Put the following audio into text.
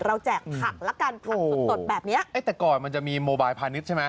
แจกผักละกันผักสดสดแบบเนี้ยเอ้ยแต่ก่อนมันจะมีโมบายพาณิชย์ใช่ไหม